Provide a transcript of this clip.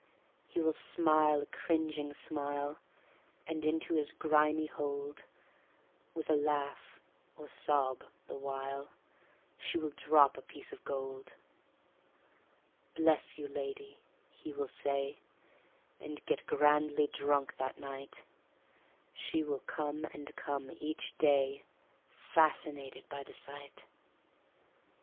He will smile a cringing smile, And into his grimy hold, With a laugh (or sob) the while, She will drop a piece of gold. "Bless you, lady," he will say, And get grandly drunk that night. She will come and come each day, Fascinated by the sight.